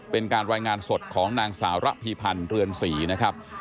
เป็นการรายงานสดของนางสาวระพีพันธ์เรือนศรีนะครับ